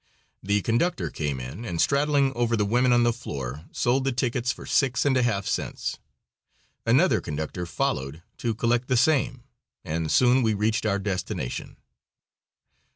The conductor came in, and, straddling over the women on the floor, sold the tickets for six and a half cents. Another conductor followed to collect the same, and soon we reached our destination.